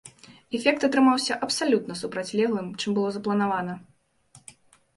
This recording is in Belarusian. Эфект атрымаўся абсалютна супрацьлеглым, чым было запланавана.